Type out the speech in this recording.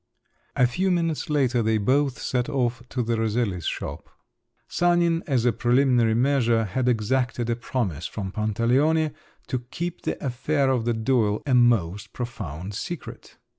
A few minutes later they both set off to the Rosellis' shop. Sanin, as a preliminary measure, had exacted a promise from Pantaleone to keep the affair of the duel a most profound secret.